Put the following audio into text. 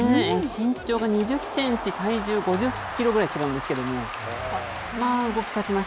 身長が２０センチ、体重５０キロぐらい違うんですけれども。